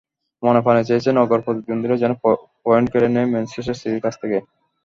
মনেপ্রাণে চেয়েছে নগরপ্রতিদ্বন্দ্বীরা যেন পয়েন্ট কেড়ে নেয় ম্যানচেস্টার সিটির কাছ থেকে।